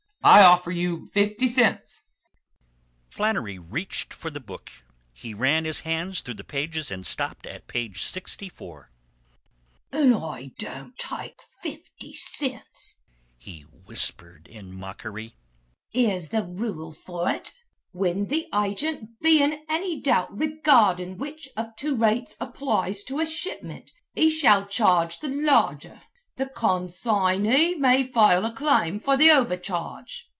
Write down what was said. I offer you fifty cents." Flannery reached for the book. He ran his hand through the pages and stopped at page sixty four. "An' I don't take fifty cints," he whispered in mockery. "Here's the rule for ut. 'Whin the agint be in anny doubt regardin' which of two rates applies to a shipment, he shall charge the larger. The con sign ey may file a claim for the overcharge.'